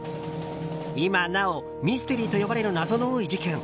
今なお、ミステリーと呼ばれる謎の多い事件。